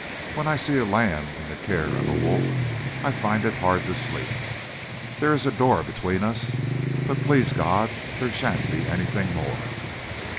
When I see a lamb in the care of a wolf, I find it hard to sleep. There is a door between us, but please God there shan't be anything more."